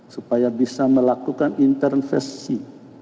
supaya bisa melakukan intervensi